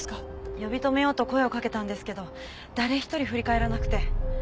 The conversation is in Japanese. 呼び止めようと声を掛けたんですけど誰一人振り返らなくて。